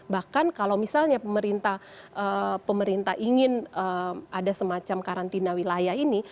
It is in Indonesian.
bahkan kalau misalnya pemerintah ingin ada semacam karantina wilayah ini